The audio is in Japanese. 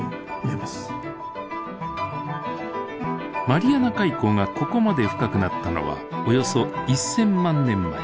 マリアナ海溝がここまで深くなったのはおよそ１，０００万年前。